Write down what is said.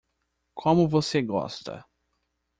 Como você gosta?